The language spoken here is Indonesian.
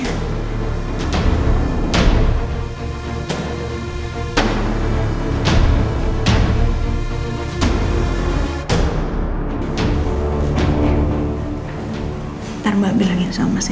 kalau lo praya sama mbak jogja atau mbak jamali